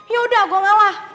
ya udah gue ngalah